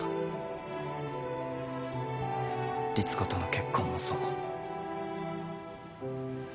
リツコとの結婚もそう。